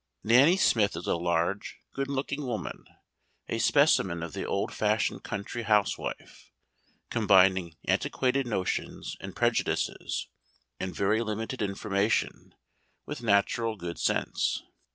Nanny Smith is a large, good looking woman, a specimen of the old fashioned country housewife, combining antiquated notions and prejudices, and very limited information, with natural good sense.